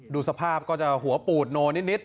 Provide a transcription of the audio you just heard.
ดูสภาพก็จะหัวปูดโนนิด